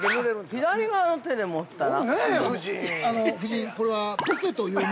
◆左側の手で持ったら？